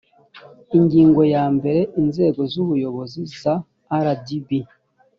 ingingo yambere inzego z ubuyobozi za rdb